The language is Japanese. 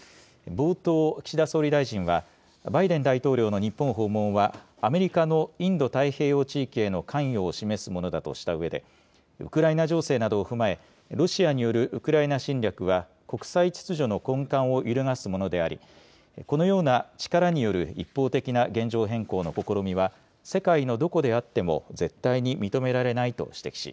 冒頭、岸田総理大臣はバイデン大統領の日本訪問はアメリカのインド太平洋地域への関与を示すものだとしたうえでウクライナ情勢などを踏まえロシアによるウクライナ侵略は国際秩序の根幹を揺るがすものであり、このような力による一方的な現状変更の試みは世界のどこであっても絶対に認められないと指摘し、